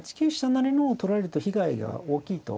成の方を取られると被害が大きいと。